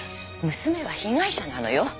娘は被害者なのよ。